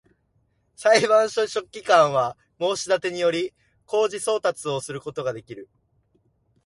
裁判所書記官は、申立てにより、公示送達をすることができる